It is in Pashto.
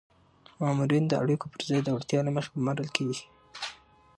مامورین د اړیکو پر ځای د وړتیا له مخې ګمارل کیږي.